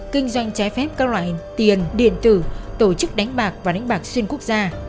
kinh doanh trái phép các loại tiền điện tử tổ chức đánh bạc và đánh bạc xuyên quốc gia